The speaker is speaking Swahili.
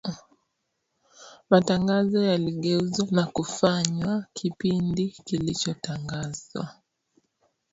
matangazo yaligeuzwa na kufanywa kipindi kilichotangazwa